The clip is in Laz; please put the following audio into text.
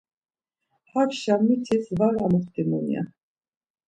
Hakşa mitis var amuxtimun ya.